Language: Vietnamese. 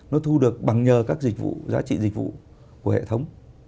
nó thu được bằng nhờ các dịch vụ giá trị dịch vụ của hệ thống